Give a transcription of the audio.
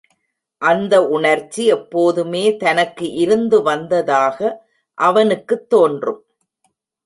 அந்த உணர்ச்சி எப்போதுமே தனக்கு இருந்து வந்ததாக அவனுக்குத் தோன்றும்.